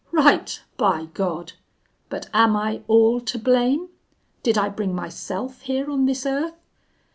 'Right, by God! But am I all to blame? Did I bring myself here on this earth!...